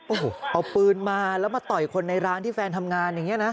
โอ้โหเอาปืนมาแล้วมาต่อยคนในร้านที่แฟนทำงานอย่างนี้นะ